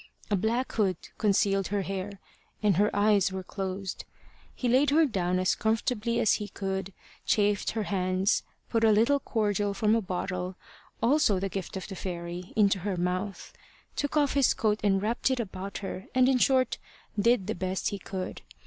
A black hood concealed her hair, and her eyes were closed. He laid her down as comfortably as he could, chafed her hands, put a little cordial from a bottle, also the gift of the fairy, into her mouth; took off his coat and wrapped it about her, and in short did the best he could.